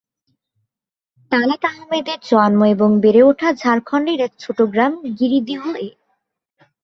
তালাত আহমদের জন্ম এবং বেড়ে ওঠা ঝাড়খণ্ডের একটি ছোট গ্রাম গিরীদিহ-এ।